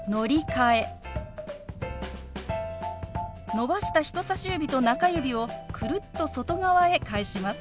伸ばした人さし指と中指をくるっと外側へ返します。